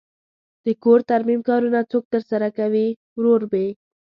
د کور ترمیم کارونه څوک ترسره کوی؟ ورور می